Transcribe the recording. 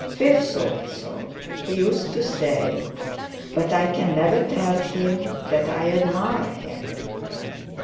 "Phil thought so. He used to say: 'But I can never tell him that I admire him.